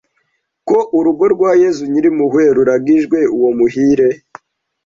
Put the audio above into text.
ko Urugo rwa Yezu Nyirimpuhwe ruragijwe uwo muhire